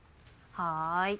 はい。